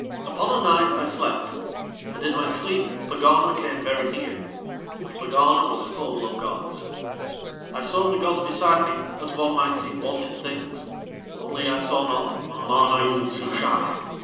Upon a night I slept. And in my sleep Pegana came very near. And Pegana was full of gods. I saw the gods beside me as one might see wonted things. Only I saw not MANA YOOD SUSHAI.